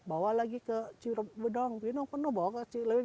bawa lagi ke cirebudong binung penuh